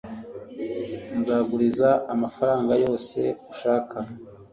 nzaguriza amafaranga yose ushaka